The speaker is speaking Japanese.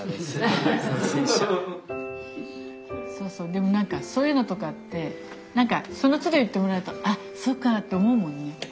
でもなんかそういうのとかってそのつど言ってもらうとあそっかって思うもんね。